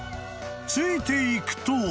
［ついていくと］